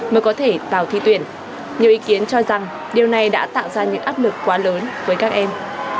mới có thể vào thi tuyển nhiều ý kiến cho rằng điều này đã tạo ra những áp lực quá lớn với các em